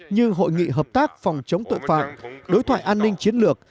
như hội nghị hợp tác phòng chống tội phạm đối thoại an ninh chiến lược